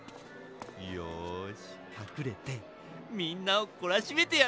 よしかくれてみんなをこらしめてやる！